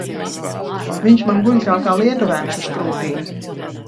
Viņš man guļ tā kā lietuvēns uz krūtīm.